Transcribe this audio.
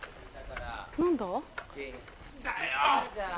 何だ？